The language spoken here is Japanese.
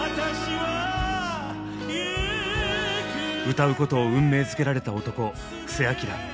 歌うことを運命づけられた男布施明。